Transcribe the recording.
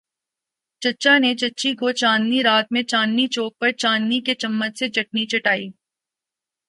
چچا نے چچی کو چاندنی رات میں چاندنی چوک پر چاندی کے چمچ سے چٹنی چٹائ۔